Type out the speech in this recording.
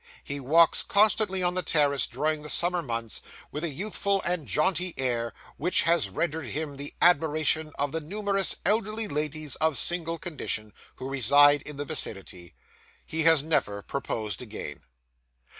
He walks constantly on the terrace during the summer months, with a youthful and jaunty air, which has rendered him the admiration of the numerous elderly ladies of single condition, who reside in the vicinity. He has never proposed again.